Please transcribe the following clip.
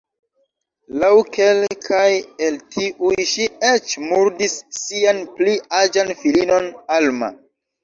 Laŭ kelkaj el tiuj ŝi eĉ murdis sian pli aĝan filinon Alma.